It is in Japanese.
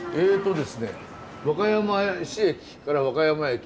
和歌山市駅から和歌山駅